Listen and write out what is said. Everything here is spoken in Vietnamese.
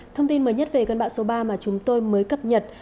thông tin mới nhất về cơn bão số ba mà chúng tôi mới cập nhật